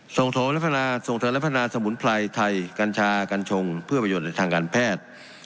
ส่งเสริมและพัฒนาสมุนไพรไทยกัญชากัญชงเพื่อประโยชน์ในทางการแพทย์